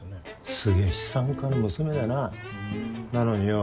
すげえ資産家の娘でなふんなのによ